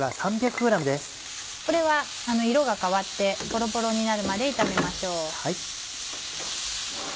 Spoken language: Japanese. これは色が変わってポロポロになるまで炒めましょう。